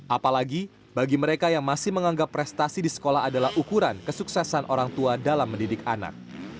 apalagi bagi mereka yang masih menganggap prestasi di sekolah adalah ukuran kesuksesan orang tua dalam mendidik anak